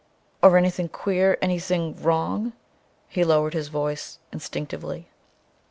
Or anything queer, anything wrong?" He lowered his voice instinctively.